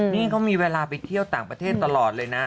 นี่เขามีเวลาไปเที่ยวต่างประเทศตลอดเลยนะ